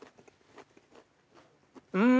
うん！